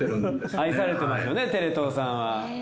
愛されてますよねテレ東さんは。